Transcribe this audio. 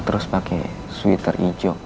terus pake sweater hijau